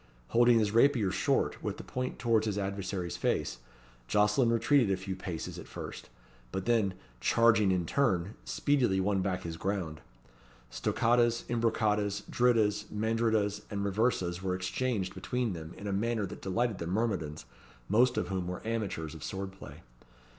Holding his rapier short, with the point towards his adversary's face, Jocelyn retreated a few paces at first, but then, charging in turn, speedily won back his ground. Stoccatas, imbroccatas, drittas, mandrittas, and riversas were exchanged between them in a manner that delighted the myrmidons, most of whom were amateurs of sword play.